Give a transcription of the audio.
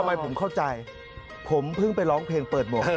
ก็ไม่ผมเข้าใจผมเพิ่งไปร้องเพลงเปิดบ่ง